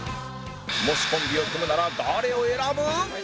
もしコンビを組むなら誰を選ぶ？